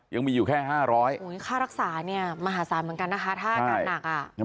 ยังมีอยู่แค่๕๐๐ค่ารักษาเนี่ยมหาศาลเหมือนกันนะคะถ้าอาการหนักอ่ะ